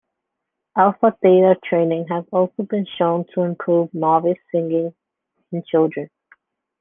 Alpha-theta training has also been shown to improve novice singing in children.